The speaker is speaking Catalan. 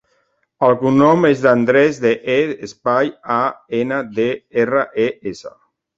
El cognom és De Andres: de, e, espai, a, ena, de, erra, e, essa.